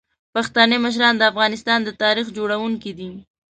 پښتني مشران د افغانستان د تاریخ جوړونکي دي.